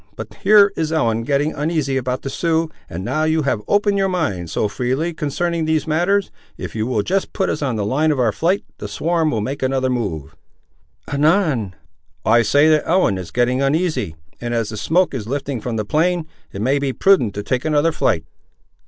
But here is Ellen getting uneasy about the Siouxes, and now you have opened your mind, so freely, concerning these matters, if you will just put us on the line of our flight, the swarm will make another move." "Anan!" "I say that Ellen is getting uneasy, and as the smoke is lifting from the plain, it may be prudent to take another flight."